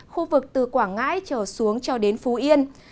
khu vực từ quảng ngãi trở xuống cho đến phú yên